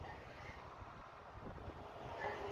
درتا ځار سمه زه